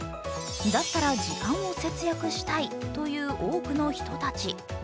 だったら時間を節約したいという多くの人たち。